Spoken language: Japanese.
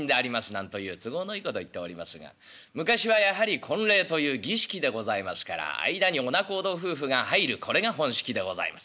なんという都合のいいことを言っておりますが昔はやはり婚礼という儀式でございますから間にお仲人夫婦が入るこれが本式でございます。